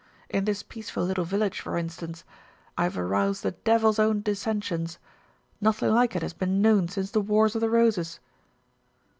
In this peaceful little village, for instance, I've aroused the devil's own dis sensions. Nothing like it has "been known since the Wars of the Roses."